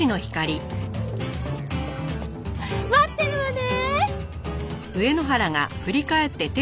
待ってるわね！